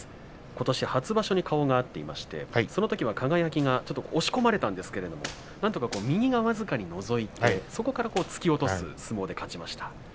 ことし初場所に顔が合っていまして、そのときは輝がちょっと押し込まれたんですけれどなんとか右が僅かにのぞいてそこから突き落とす相撲で勝ちました。